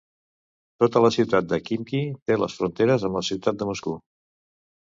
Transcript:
Tota la ciutat de Khimki té les fronteres amb la ciutat de Moscou.